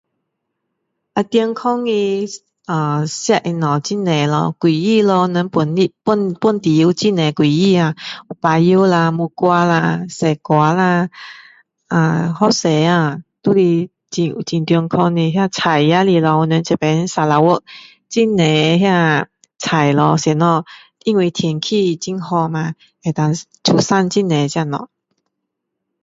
啊健康的啊吃的东西很多咯，果子咯我们本地本本地有很多果子啊，香蕉啦木瓜啦西瓜啦，啊，好多啊，都是很很健康的，这菜也是咯我们这边砂拉越很多那菜咯什么，因为天气很好嘛，可以出产很多这东西，